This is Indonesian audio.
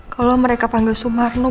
kalau mereka panggil sumarno